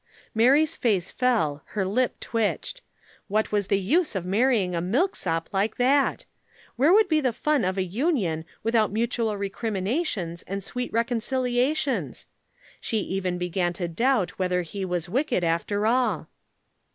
Mary's face fell, her lip twitched. What was the use of marrying a milksop like that? Where would be the fun of a union without mutual recriminations and sweet reconciliations? She even began to doubt whether he was wicked after all.